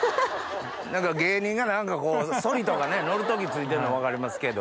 芸人がソリとか乗る時付いてるの分かりますけど。